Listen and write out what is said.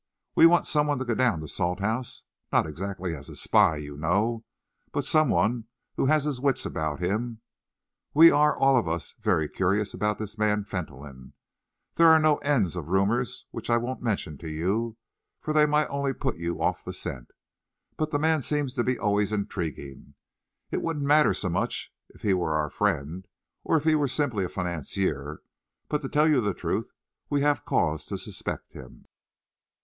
We want some one to go down to Salthouse not exactly as a spy, you know, but some one who has his wits about him. We are all of us very curious about this man Fentolin. There are no end of rumours which I won't mention to you, for they might only put you off the scent. But the man seems to be always intriguing. It wouldn't matter so much if he were our friend, or if he were simply a financier, but to tell you the truth, we have cause to suspect him."